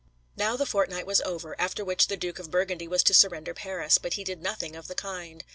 Now the fortnight was over, after which the Duke of Burgundy was to surrender Paris, but he did nothing of the kind.